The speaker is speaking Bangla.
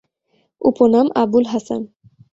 উপনাম: আবুল হাসান।